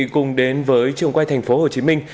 cùng đến với trường quay thành phố hồ chí minh